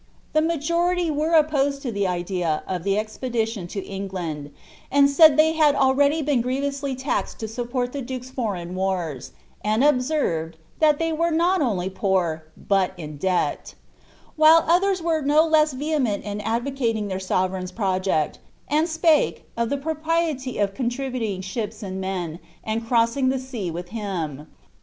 The ma jority were opposed to the idea of ilie expedition to England, and s»iil they had already been grievously taxed to support the duke's foreign wars, and observed, lliat ^ ibey were not only poor, but in debt ;" wlule others were no less veliement in advocating their sovereign's projecL, and *pake " of the propriety of contributing ships and men, and crossing the *n willi him."